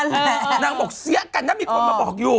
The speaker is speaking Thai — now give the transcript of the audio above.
นางบอกเสี้ยกันนะมีคนมาบอกอยู่